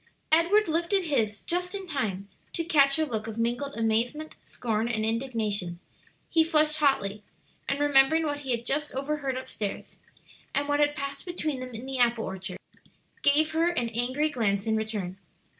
Edward lifted his just in time to catch her look of mingled amazement, scorn, and indignation. He flushed hotly, and remembering what he had just overheard up stairs, and what had passed between them in the apple orchard, gave her an angry glance in return.